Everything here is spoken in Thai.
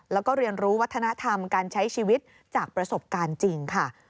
แล้วก็เรียนรู้วัฒนธรรมการใช้ชีวิตจากประสบการณ์จริงค่ะ